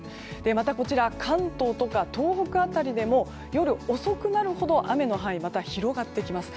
また、関東とか東北辺りでも夜遅くなるほど雨の範囲がまた広がってきます。